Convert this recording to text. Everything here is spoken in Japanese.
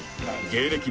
芸歴